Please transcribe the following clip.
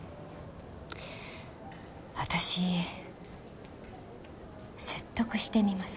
私説得してみます。